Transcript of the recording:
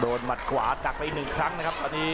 โดนมัดกว่าตักไปหนึ่งครั้งนะครับ